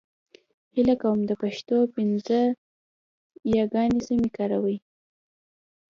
هيله کوم د پښتو پنځه يېګانې سمې کاروئ !